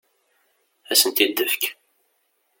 Ad asen-t-id-ifek.